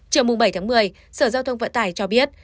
trường mùng bảy một mươi sở giao thông vận tải cho biết